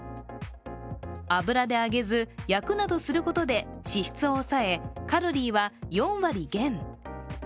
油で揚げず焼くなどすることで脂質を抑え、カロリーは４割減。